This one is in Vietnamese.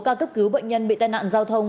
ca cấp cứu bệnh nhân bị tai nạn giao thông